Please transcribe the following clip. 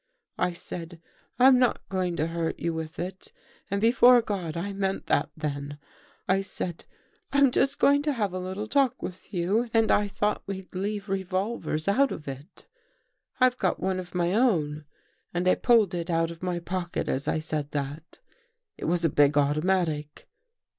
" I said, ' I'm not going to hurt you with it '— and before God I meant that then. I said, ' I'm just going to have a little talk with you and I thought we'd leave revolvers out of it. I've got 251 THE GHOST GIRL one of my own.' And I pulled it out of my pocket as I said that. It was a big automatic."